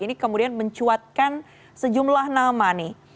ini kemudian mencuatkan sejumlah nama nih